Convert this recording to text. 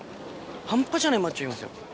半端じゃないマッチョいますよ。